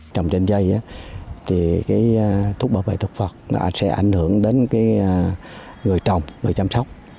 trồng chanh dây thì thuốc bảo vệ thuật vật sẽ ảnh hưởng đến người trồng người chăm sóc